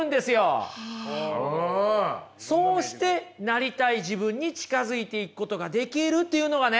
そうしてなりたい自分に近づいていくことができるっていうのがね